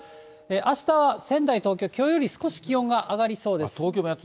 あしたは仙台、東京、きょうより少し気温が上がりそうです。